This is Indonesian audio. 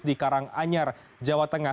di karanganyar jawa tengah